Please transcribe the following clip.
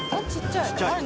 ちっちゃい。